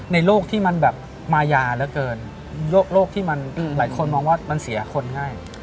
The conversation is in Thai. โรคที่มันแบบมายาเหลือเกินโรคที่มันหลายคนมองว่ามันเสียคนง่าย